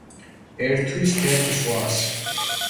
ერთვის თეთრ ზღვას.